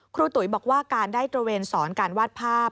ตุ๋ยบอกว่าการได้ตระเวนสอนการวาดภาพ